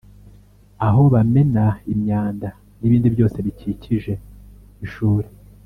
aho bamena imyanda n’ibindi byose bikikije ishuri